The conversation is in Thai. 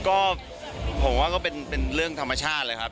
ก็ผมว่าก็เป็นเรื่องธรรมชาติเลยครับ